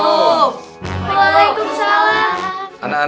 gara gara ini kerja dia